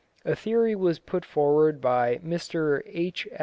A theory was put forward by Mr H.